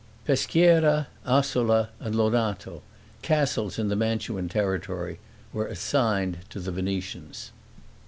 Peschiera, Asola, and Lonato, castles in the Mantuan territory, were assigned to the Venetians.